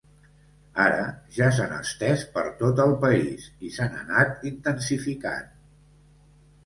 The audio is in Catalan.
Ara ja s’han estès per tot el país i s’han anat intensificant.